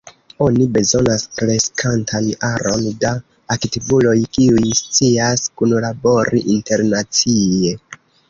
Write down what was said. Oni bezonas kreskantan aron da aktivuloj, kiuj scias kunlabori internacie.